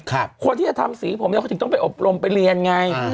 คนที่จะทำสีผมเธอต้องไปเอาอบรมไปเรียน